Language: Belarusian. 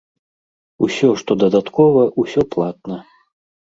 Усё, што дадаткова, усё платна.